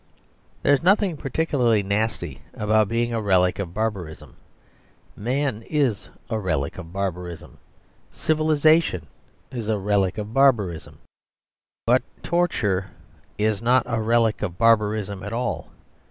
There is nothing particularly nasty about being a relic of barbarism. Man is a relic of barbarism. Civilisation is a relic of barbarism. But torture is not a relic of barbarism at all.